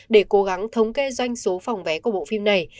để cố gắng thống kê doanh số phòng vé của bộ phim này